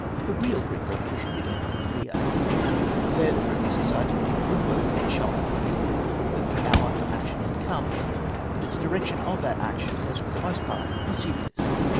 The real Greek revolution began in the Morea. There the Friendly Society did good work in showing the people that the hour for action had come; but its direction of that action was for the most part mischievous.